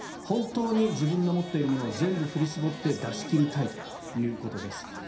本当に自分の持っているものを全部振り絞って出し切りたいということです。